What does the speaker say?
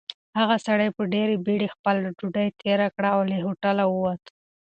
هغه سړي په ډېرې بېړۍ خپله ډوډۍ تېره کړه او له هوټله ووت.